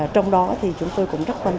trong đó thì chúng tôi sẽ phát triển cây bơ